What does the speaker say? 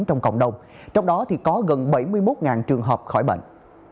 trong cộng đồng trong đó có gần bảy mươi một trường hợp khỏi bệnh